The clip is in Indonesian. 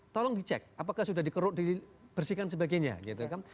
tolong dicek apakah sudah dikeruk dibersihkan sebagainya gitu kan